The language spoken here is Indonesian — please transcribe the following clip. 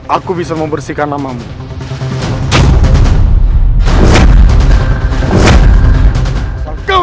aku bisa membersihkan namamu